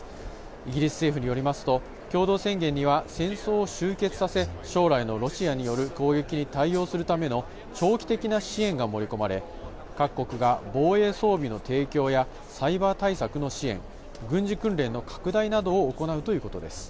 イギリス政府によりますと、共同宣言には戦争を終結させ、将来のロシアによる攻撃に対応するための長期的な支援が盛り込まれ、各国が防衛装備の提供やサイバー対策の支援、軍事訓練の拡大などを行うということです。